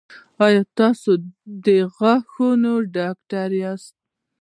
ایا تاسو د غاښونو ډاکټر یاست؟